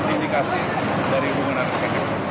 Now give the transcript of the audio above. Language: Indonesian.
ini dikasih dari bunga narasim